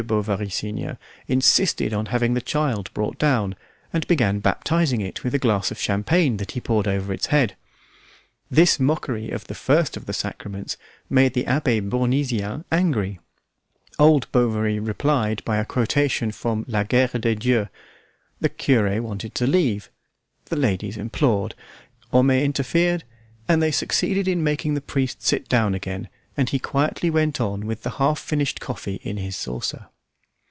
Bovary, senior, insisted on having the child brought down, and began baptizing it with a glass of champagne that he poured over its head. This mockery of the first of the sacraments made the Abbe Bournisien angry; old Bovary replied by a quotation from "La Guerre des Dieux"; the cure wanted to leave; the ladies implored, Homais interfered; and they succeeded in making the priest sit down again, and he quietly went on with the half finished coffee in his saucer.